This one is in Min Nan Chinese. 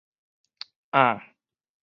向